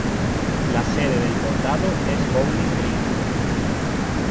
La sede del condado es Bowling Green.